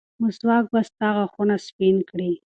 مسواک به ستا غاښونه سپین کړي.